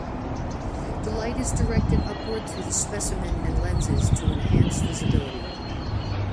The light is directed upward through the specimen and lenses to enhance visibility.